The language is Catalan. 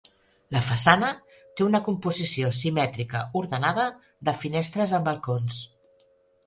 La façana té una composició simètrica ordenada de finestres amb balcons.